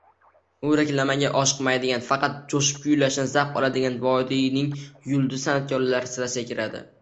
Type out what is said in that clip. U reklamaga oshiqmaydigan, faqat joʻshib kuylashdan zavq oladigan vodiyning yulduz sanʼatkorlari sirasiga kiradi.